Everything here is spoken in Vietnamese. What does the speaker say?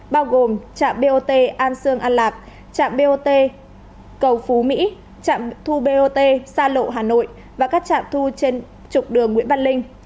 bao gồm trạm bot an sương an lạc trạm bot cầu phú mỹ trạm thu bot xa lộ hà nội và các trạm thu trên trục đường nguyễn văn linh